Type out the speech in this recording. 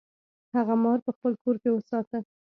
هغه مار په خپل کور کې وساته.